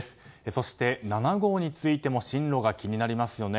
そして、７号についても進路が気になりますよね。